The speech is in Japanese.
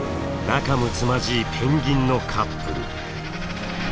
仲むつまじいペンギンのカップル。